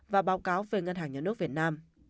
và báo cáo về ngân hàng nhà nước việt nam